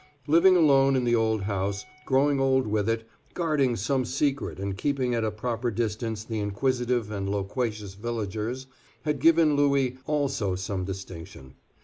Living alone in the old house, growing old with it, guarding some secret and keeping at a proper distance the inquisitive and loquacious villagers, had given Louis also some distinction.